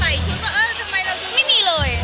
มันเหมือนกับมันเหมือนกับมันเหมือนกับ